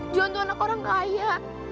john tuh anak orang kaya